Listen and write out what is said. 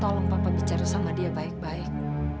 tolong papa bicara sama dia baik baik